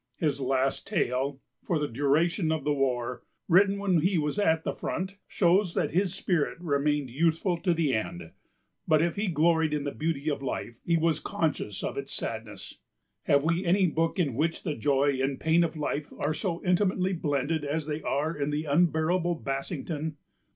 His last tale, For the Duration of the War, written when he was at the front, shows that his spirit remained youthful to the end. But if he gloried in the beauty of life, he was conscious of its sadness. Have we any book in which the joy and pain of life are so intimately blended as they are in The Unbearable Bassington?